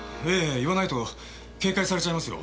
言わないと警戒されちゃいますよ。